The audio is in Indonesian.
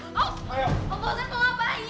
ada serangan posisi disini